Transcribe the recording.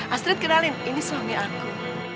astrid kenalin ini suami aku